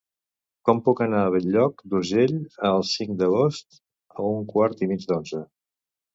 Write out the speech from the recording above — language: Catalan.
Com puc anar a Bell-lloc d'Urgell el cinc d'agost a un quart i mig d'onze?